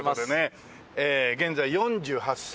ええ現在４８歳？